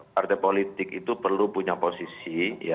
partai politik itu perlu punya posisi